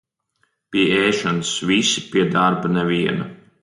Pie ēšanas visi, pie darba neviena.